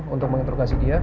untuk menginterogasi dia